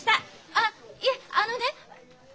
あっいえあのね。